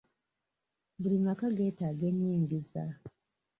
Buli maka geetaaga enyingiza.